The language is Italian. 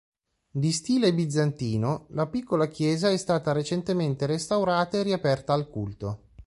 Di stile bizantino, la piccola chiesa è stata recentemente restaurata e riaperta al culto.